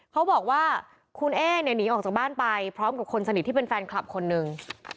เขาบอกว่าคุณเอ๊เนี่ยหนีออกจากบ้านไปพร้อมกับคนสนิทที่เป็นแฟนคลับคนหนึ่ง